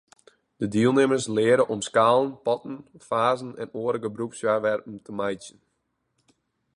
De dielnimmers leare om skalen, potten, fazen en oare gebrûksfoarwerpen te meitsjen.